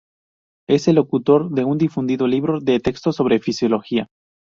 Es el coautor de un difundido libro de texto sobre fisiología.